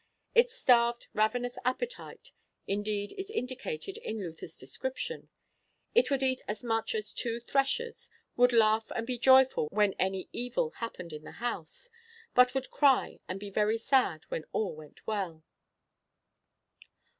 Its starved ravenous appetite indeed is indicated in Luther's description: It 'would eat as much as two threshers, would laugh and be joyful when any evil happened in the house, but would cry and be very sad when all went well.'